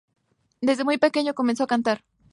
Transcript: Desde muy pequeño comenzó a cantar.